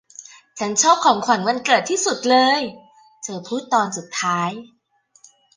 'ฉันชอบของขวัญวันเกิดที่สุดเลย' เธอพูดตอนสุดท้าย